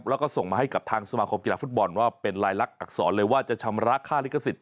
แล้วก็ส่งมาให้กับทางสมาคมกีฬาฟุตบอลว่าเป็นลายลักษรเลยว่าจะชำระค่าลิขสิทธ